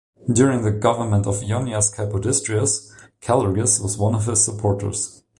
During the government of Ioannis Kapodistrias, Kallergis was one of his supporters.